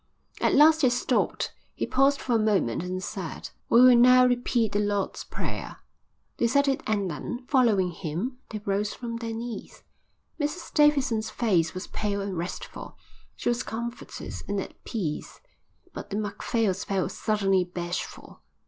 At last he stopped. He paused for a moment and said: "We will now repeat the Lord's prayer." They said it and then; following him, they rose from their knees. Mrs Davidson's face was pale and restful. She was comforted and at peace, but the Macphails felt suddenly bashful.